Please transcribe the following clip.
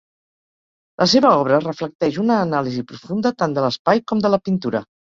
La seva obra reflecteix una anàlisi profunda tant de l'espai com de la pintura.